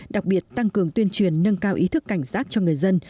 đặc biệt tăng cường tuyên truyền nâng cao ý thức cảnh giác cho người dân